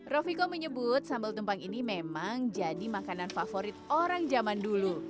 rofiko menyebut sambal tumpang ini memang jadi makanan favorit orang zaman dulu